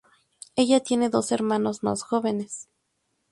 Ella tiene dos hermanos más jóvenes.